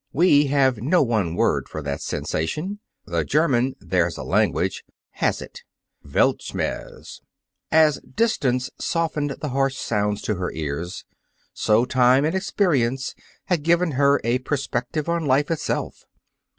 We have no one word for that sensation. The German (there's a language!) has it Weltschmerz. As distance softened the harsh sounds to her ears, so time and experience had given her a perspective on life itself.